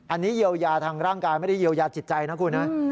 อันนี้เยียวยาทางร่างกายไม่ได้เยียวยาจิตใจนะคุณนะ